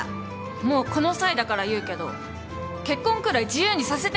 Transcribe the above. もうこの際だから言うけど結婚くらい自由にさせてほしいんだよね。